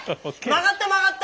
曲がった曲がった！